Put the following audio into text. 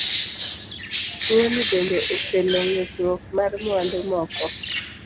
Tuoni bende okelo ng'ikruok mar mwandu moko.